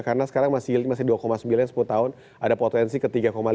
karena sekarang masih dua sembilan sepuluh tahun ada potensi ke tiga lima